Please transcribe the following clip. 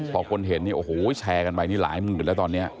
พอกลเห็นแชร์กันไปหลายหมื่นแล้วตอนนี้